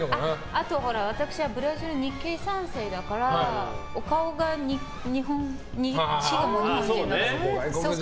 あと、ほら私はブラジル日系３世だからお顔が日本人だから。